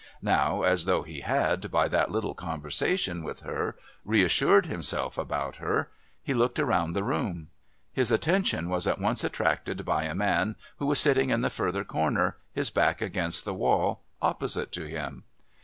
Now, as though he had, by that little conversation with her, reassured himself about her, he looked around the room. His attention was at once attracted by a man who was sitting in the further corner, his back against the wall, opposite to him.